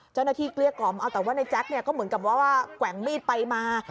เจ้าหน้าที่เกลี้ยกลอมเอาแต่ว่าในแจ๊คเนี่ยก็เหมือนกับว่าว่าแกว่งมีดไปมา